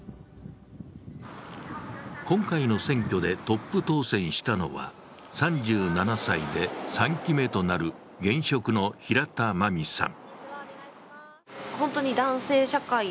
今回の選挙でトップ当選したのは３７歳で３期目となる現職の平田真実さん。